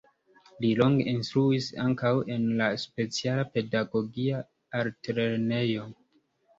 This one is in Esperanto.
Li longe instruis ankaŭ en la speciala pedagogia altlernejo.